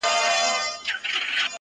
ښه موده کيږي چي هغه مجلس ته نه ورځمه.